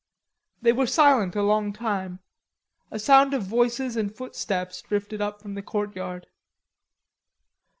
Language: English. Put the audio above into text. They were silent a long time. A sound of voices and footsteps drifted up from the courtyard.